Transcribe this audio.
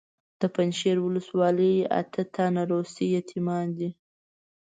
د پنجشیر ولسوالۍ اته تنه روسي یتیمان دي.